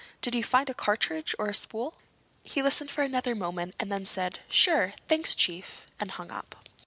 Did you find a cartridge or a spool?" He listened for another moment and then said "Sure. Thanks, Chief," and hung up.